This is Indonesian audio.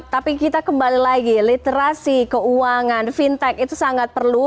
tapi kita kembali lagi literasi keuangan fintech itu sangat perlu